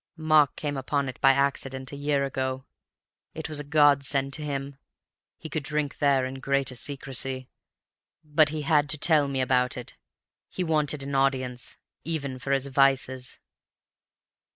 Mark came upon it by accident a year ago. It was a godsend to him; he could drink there in greater secrecy. But he had to tell me about it. He wanted an audience, even for his vices.)